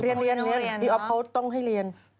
เรียนพี่อ๊อฟเขาต้องให้เรียน